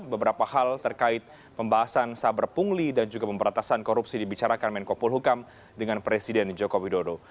beberapa hal terkait pembahasan saber pungli dan juga pemberantasan korupsi dibicarakan menkopol hukam dengan presiden joko widodo